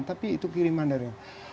tapi itu kiriman dari